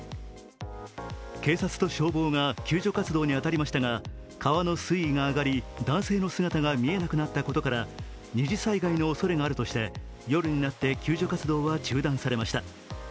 警察と消防が救助活動に当たりましたが川の水位が上がり男性の姿が見えなくなったことから二次災害のおそれがあるとして夜になって救助活動は中断されました。